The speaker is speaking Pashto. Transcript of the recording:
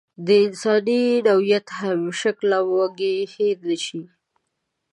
د انساني نوعیت همشکله وږی هېر نشي.